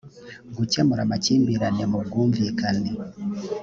gukemura amakimbirane mu bwumvikane